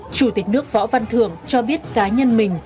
chủ tịch nước võ văn thường cho biết cá nhân mình